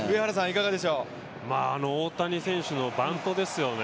大谷選手のバントですよね。